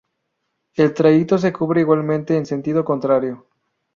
El trayecto se cubre igualmente en sentido contrario.